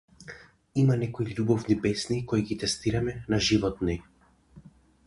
Има некои љубовни песни кои ги тестиравме на животни.